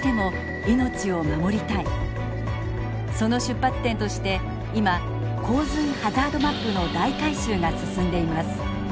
その出発点として今洪水ハザードマップの大改修が進んでいます。